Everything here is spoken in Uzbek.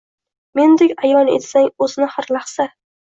Mendek ayon etsang o’zni har lahza.